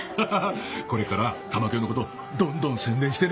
これから玉響のことどんどん宣伝してね！